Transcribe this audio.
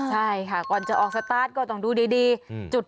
ใช่ค่ะก่อนจะออกสตาร์ทก็ต้องดูดี